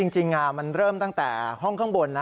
จริงมันเริ่มตั้งแต่ห้องข้างบนนะ